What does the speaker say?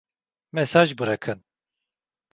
Mesaj bırakın.